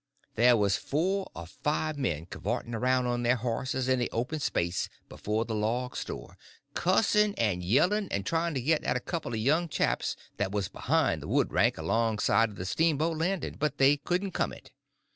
There was four or five men cavorting around on their horses in the open place before the log store, cussing and yelling, and trying to get at a couple of young chaps that was behind the wood rank alongside of the steamboat landing; but they couldn't come it.